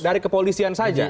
dari kepolisian saja